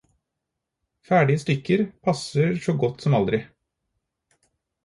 Ferdige stykker passer så godt som aldri.